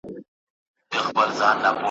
ملنګه ! دا ګټان زلفې، درانۀ باڼۀ اؤ ډک زړۀ؟ `